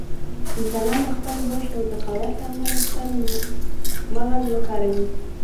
انسانان د خپل هوښ او ذکاوت له امله ستر مغز وکاروه.